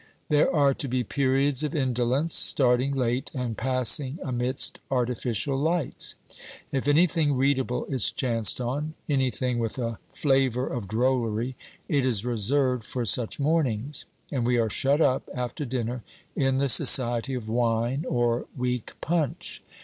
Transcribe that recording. There are to be periods of indolence, starting late and passing amidst artificial lights. If anything readable is chanced on, anything with a flavour of drollery, it is reserved for such mornings, and we are shut up after dinner in the society of wine or weak punch.